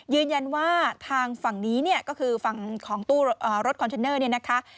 ยืนยันว่าทางฝั่งนี้เนี่ยก็คือฝั่งของตู้รถคอนเทนเนอร์เนี่ยนะคะ